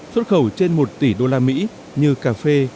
xuất khẩu trên một tỷ đô la mỹ như cà phê